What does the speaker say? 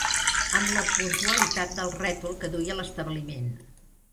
Amb la puntualitat del rètol que duia l'establiment